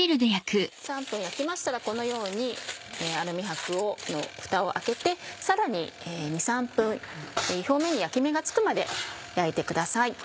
３分焼きましたらこのようにアルミ箔のふたを開けてさらに２３分表面に焼き目がつくまで焼いてください。